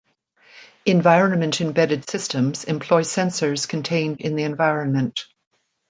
Environment-embedded systems employ sensors contained in the environment.